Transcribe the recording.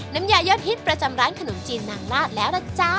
น้ำยายอดฮิตประจำร้านขนมจีนนางลาดแล้วนะจ๊ะ